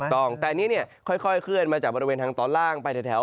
ถูกต้องแต่อันนี้เนี่ยค่อยเคลื่อนมาจากบริเวณทางตอนล่างไปแถว